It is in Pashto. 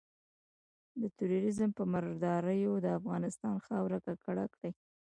د ترورېزم په مرداریو د افغانستان خاوره ککړه کړي.